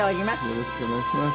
よろしくお願いします。